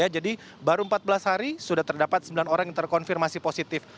jadi baru empat belas hari sudah terdapat sembilan orang yang terkonfirmasi positif